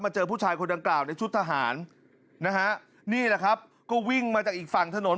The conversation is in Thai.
เจอผู้ชายคนดังกล่าวในชุดทหารนะฮะนี่แหละครับก็วิ่งมาจากอีกฝั่งถนน